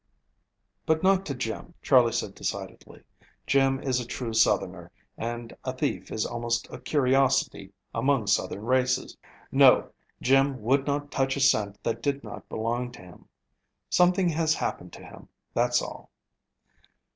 "But not to Jim," Charley said decidedly. "Jim is a true Southerner and a thief is almost a curiosity among Southern races. No, Jim would not touch a cent that did not belong to him. Something has happened to him, that's all."